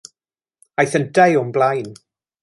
Aeth yntau o'm blaen.